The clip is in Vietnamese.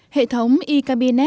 hệ thống e cabinet có tính bảo vệ